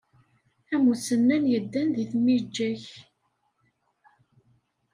Am usennan yeddan deg tmiǧa-k.